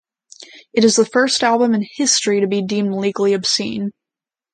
It is the first album in history to be deemed legally obscene.